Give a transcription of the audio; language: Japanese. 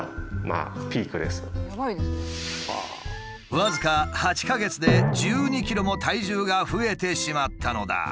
僅か８か月で１２ｋｇも体重が増えてしまったのだ。